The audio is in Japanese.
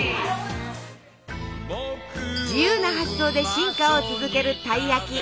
自由な発想で進化を続けるたい焼き！